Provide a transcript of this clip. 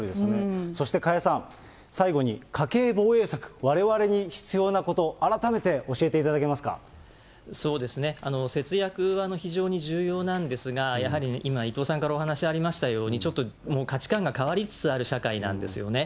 そして加谷さん、最後に家計防衛策、われわれに必要なこと、改め節約は非常に重要なんですが、やはり今、伊藤さんからお話ありましたように、ちょっともう価値観が変わりつつある社会なんですよね。